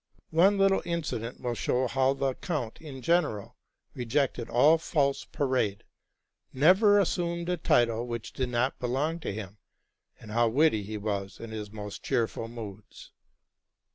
One little incident will show how the count in general rejected all false parade, never assumed a title which did not belong to him, and how witty he was in his more cheerful moods.